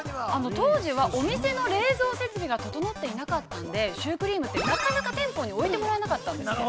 ◆当時は、お店の冷蔵設備が整っていなかったんでシュークリームってなかなか店舗に置いてもらえなかったんですね。